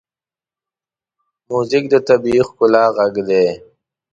موزیک د طبیعي ښکلا غږ دی.